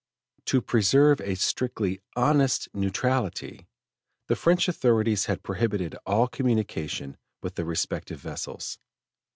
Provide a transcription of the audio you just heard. To preserve a strictly honest neutrality, the French authorities had prohibited all communication with the respective vessels.